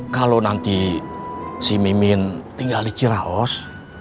kalau nanti si mimin tinggal di ciraos